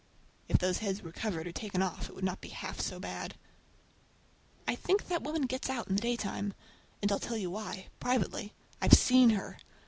If those heads were covered or taken off it would not be half so bad. I think that woman gets out in the daytime! And I'll tell you why—privately—I've seen her!